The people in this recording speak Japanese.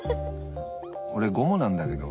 俺ゴムなんだけど。